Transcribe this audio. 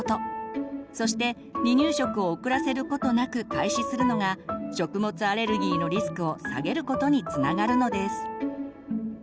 そして離乳食を遅らせることなく開始するのが食物アレルギーのリスクを下げることにつながるのです。